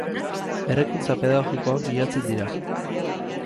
Berrikuntza Pedagogikoak bilatzen dira.